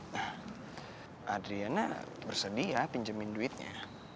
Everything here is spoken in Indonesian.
nah adriana bersedia pinjemin duitnya